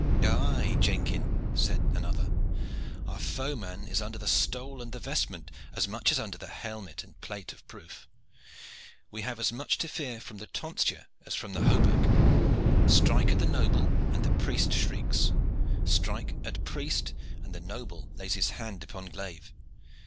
"Aye, Jenkin," said another, "our foeman is under the stole and the vestment as much as under the helmet and plate of proof. We have as much to fear from the tonsure as from the hauberk. Strike at the noble and the priest shrieks, strike at priest and the noble lays his hand upon glaive.